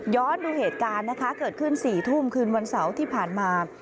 ดูเหตุการณ์นะคะเกิดขึ้น๔ทุ่มคืนวันเสาร์ที่ผ่านมา